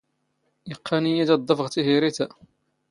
ⵉⵇⵇⴰⵏ ⵉⵢⵉ ⴷ ⴰⴷ ⴹⵓⴼⵖ ⵜⵉⵀⵉⵔⵉⵜ ⴰ.